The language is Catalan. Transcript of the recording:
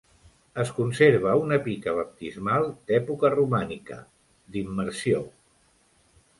Es conserva una pica baptismal d'època romànica, d'immersió.